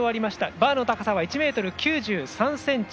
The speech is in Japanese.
バーの高さは１ｍ９３ｃｍ。